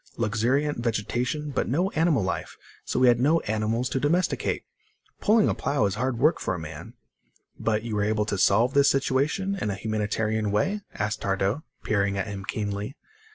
Luxuriant vegetation, but no animal life, so we had no animals to domesticate. Pulling a plow is hard work for a man." "But you were able to solve this situation in a humanitarian way?" asked Tardo, peering at him keenly.